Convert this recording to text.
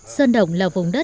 sơn động là vùng đất